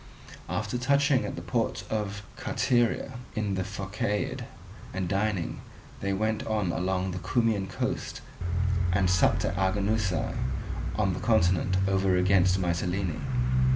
After touching at the port of Carteria, in the Phocaeid, and dining, they went on along the Cumaean coast and supped at Arginusae, on the continent over against Mitylene.